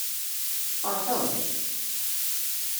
Tferḥeḍ?